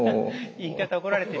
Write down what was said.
言い方怒られてるよ。